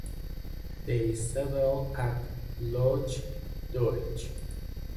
They settled at Loch Duich.